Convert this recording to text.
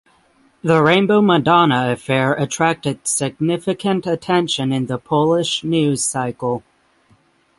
The Rainbow Madonna affair attracted significant attention in the Polish news cycle.